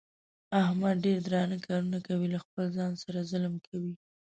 احمد ډېر درانه کارونه کوي. له خپل ځان سره ظلم کوي.